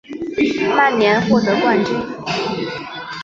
曼联获得冠军。